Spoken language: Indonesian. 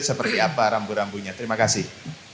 seperti apa rambu rambunya terima kasih